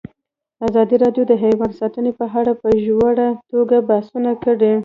ازادي راډیو د حیوان ساتنه په اړه په ژوره توګه بحثونه کړي.